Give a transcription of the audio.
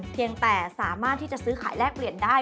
เพียงแต่สามารถที่จะซื้อขายแลกเปลี่ยนได้